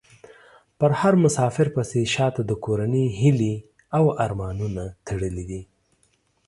په هر مسافر پسې شا ته د کورنۍ هيلې او ارمانونه تړلي دي .